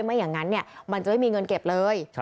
ไม่อย่างนั้นมันจะไม่มีเงินเก็บเลย